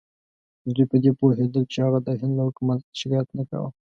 دوی په دې پوهېدل چې هغه د هند له حکومت شکایت نه کاوه.